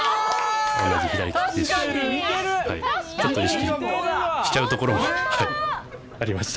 同じ左利きですし、ちょっと意識しちゃうところもありました。